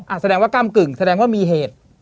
แสดงว่าก้ำกึ่งแสดงว่ามีเหตุ